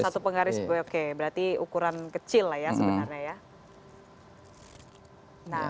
satu penggaris oke berarti ukuran kecil lah ya sebenarnya ya